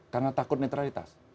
karena takut netralitas